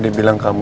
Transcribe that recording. ya udah pak